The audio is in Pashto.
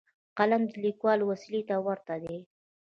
قلم د لیکوال وسلې ته ورته دی.